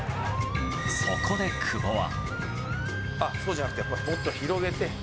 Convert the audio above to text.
そこで久保は。